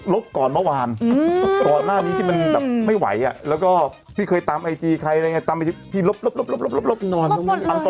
ก่อนเมื่อวานก่อนหน้านี้ที่มันแบบไม่ไหวอ่ะแล้วก็พี่เคยตามไอจีใครอะไรอย่างนี้ตามพี่ลบนอน